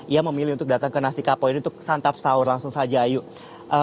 ia memilih untuk datang ke nasi kapau ini untuk santap sahur langsung saja ayo